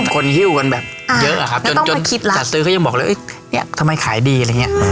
คนหิ้วมันแบบเยอะอะครับจนจัดซื้อเขายังบอกเลยทำไมขายดี